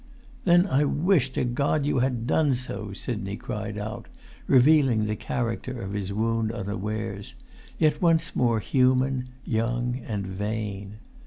"Then I wish to God you had done so!" Sidney cried out, revealing the character of his wound unawares, yet once more human, young, and vain.